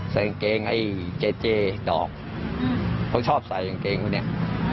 ใส่อังเกงไอ้เจเจดอกเขาชอบใส่อังเกงพอเนี่ย